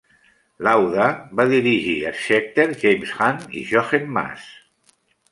Lauda va dirigir Scheckter, James Hunt i Jochen Mass.